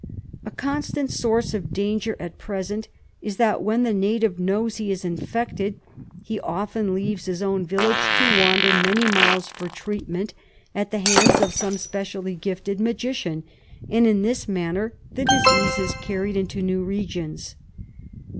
A constant source of danger at present is that when the native knows he is infected, he often leaves his own village to wander many miles for treatment at the hands of some specially gifted magician, and in this manner the disease is carried into new regions.